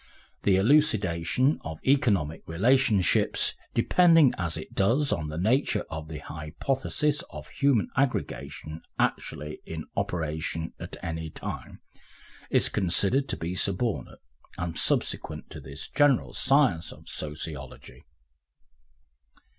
The elucidation of economic relationships, depending as it does on the nature of the hypothesis of human aggregation actually in operation at any time, is considered to be subordinate and subsequent to this general science of Sociology.